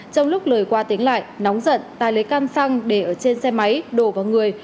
trong lúc lời qua tiếng lại nóng giận tài lấy cam xăng để ở trên xe máy đổ vào người